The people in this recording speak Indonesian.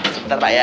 sebentar pak ya